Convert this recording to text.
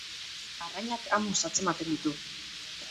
Arrainak amuz atzematen ditu.